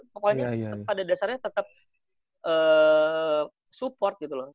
pokoknya pada dasarnya tetap support gitu loh